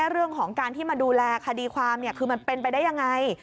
เรื่องของการที่มาดูแลคดีความคือมันเป็นไปได้ยังไง